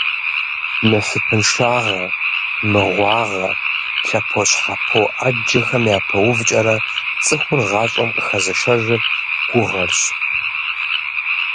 Насыпыншагъэ, мыгъуагъэ, лъэпощхьэпо Ӏэджэхэм япэувкӀэрэ, цӀыхур гъащӀэм къыхэзышэжыр гугъэрщ.